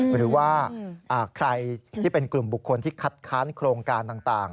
หรือว่าใครที่เป็นกลุ่มบุคคลที่คัดค้านโครงการต่าง